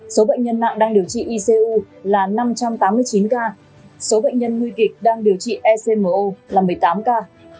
số bệnh nhân nặng đang điều trị icu là năm trăm tám mươi chín ca số bệnh nhân nguy kịch đang điều trị ecmo là một mươi tám ca